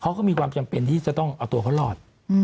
เขาก็มีความจำเป็นที่จะต้องเอาตัวเขารอด